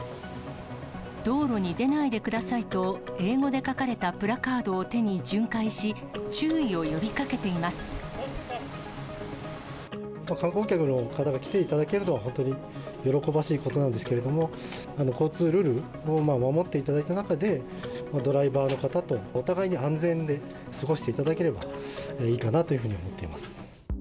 道路に出ないでくださいと英語で書かれたプラカードを手に巡回し、観光客の方が来ていただけるのは、本当に喜ばしいことなんですけれども、交通ルールを守っていただいた中で、ドライバーの方とお互いに安全で過ごしていただければいいかなというふうに思っています。